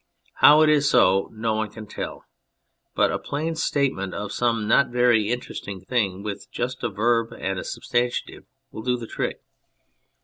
How it is so no one can tell, but a plain statement of some not very interesting thing with just a verb and a substantive will do the trick.